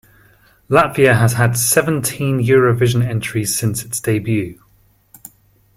Latvia has had seventeen Eurovision entries since its debut.